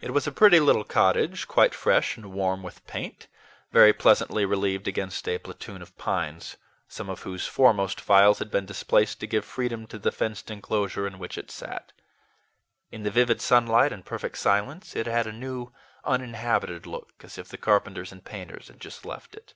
It was a pretty little cottage, quite fresh and warm with paint, very pleasantly relieved against a platoon of pines, some of whose foremost files had been displaced to give freedom to the fenced enclosure in which it sat. In the vivid sunlight and perfect silence, it had a new, uninhabited look, as if the carpenters and painters had just left it.